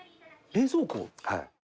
冷蔵庫？